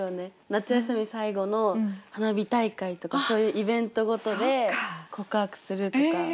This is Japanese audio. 夏休み最後の花火大会とかそういうイベント事で告白するとか。